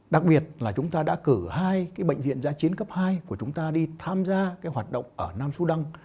đặc biệt là chúng ta đã cử hai cái bệnh viện gia chiến cấp hai của chúng ta đi tham gia cái hoạt động ở nam su đăng